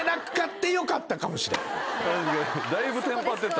だいぶテンパってた。